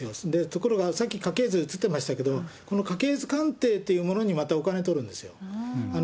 ところがさっき、家系図映ってましたけど、この家系図鑑定というものに、またお金取るんですよ。